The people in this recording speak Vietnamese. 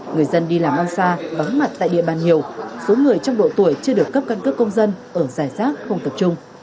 người dân đi làm ao xa bắn mặt tại địa bàn nhiều số người trong độ tuổi chưa được cấp cân cấp công dân ở dài xác không tập trung